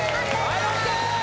はいＯＫ